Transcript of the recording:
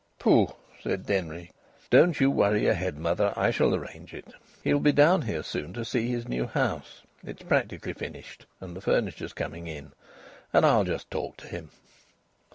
"Pooh!" said Denry. "Don't you worry your head, mother; I shall arrange it. He'll be down here soon to see his new house it's practically finished, and the furniture is coming in and I'll just talk to him."